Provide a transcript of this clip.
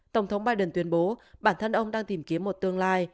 tổng thống biden tuyên bố bản thân ông đang tìm kiếm một tương lai